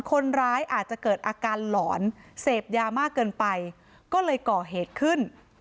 คนร้ายอาจจะเกิดอาการหลอนเสพยามากเกินไปก็เลยก่อเหตุขึ้น